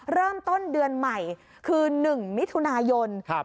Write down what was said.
เริ่มต้นเดือนใหม่คือ๑มิถุนายน